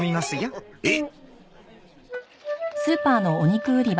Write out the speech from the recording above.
えっ？